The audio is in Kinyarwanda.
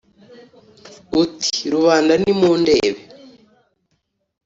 Uti: Rubanda nimundebe